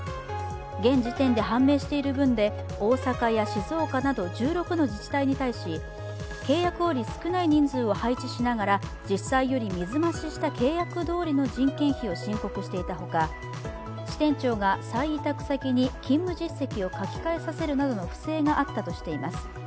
現時点で判明している分で大阪や静岡など１６の自治体に対し契約より少ない人数を配置しながら実際より水増しした契約どおりの人件費を申告していたほか、支店長が再委託先に勤務実績を書き換えさせるなどの不正があったとしています。